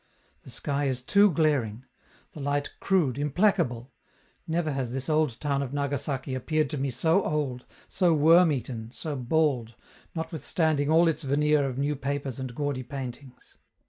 The sky is too glaring; the light crude, implacable; never has this old town of Nagasaki appeared to me so old, so worm eaten, so bald, notwithstanding all its veneer of new papers and gaudy paintings.